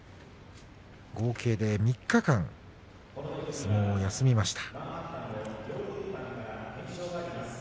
合計で３日間相撲を休みました。